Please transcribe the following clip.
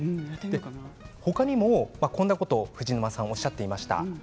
他にもこんなこと藤沼さん、おっしゃっていました。